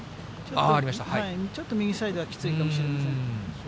ちょっと右サイドはきついかもしれません。